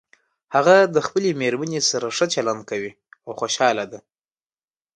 هغه د خپلې مېرمنې سره ښه چلند کوي او خوشحاله ده